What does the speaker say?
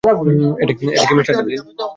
এটা কি, mister Devlin?